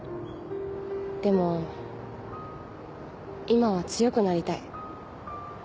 でも今は強くなりたい。